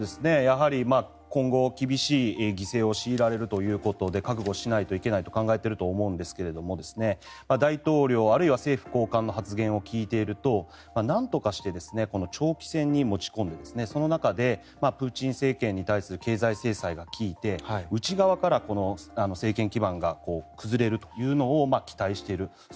やはり今後、厳しい犠牲を強いられるということで覚悟しないといけないと考えていると思うんですが大統領、あるいは政府高官の発言を聞いているとなんとかして長期戦に持ち込むその中で、プーチン政権に対する経済制裁が効いて内側から政権基盤が崩れるというのを期待していると。